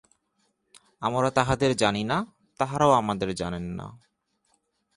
আমরা তাঁহাদের জানি না, তাঁহারাও আমাদের জানেন না।